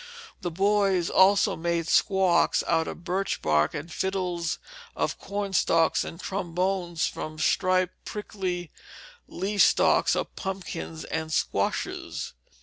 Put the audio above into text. The boys also made squawks out of birch bark and fiddles of cornstalks and trombones from the striped prickly leaf stalks of pumpkins and squashes.